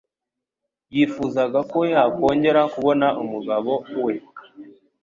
yifuzaga ko yakongera kubona umugabo we,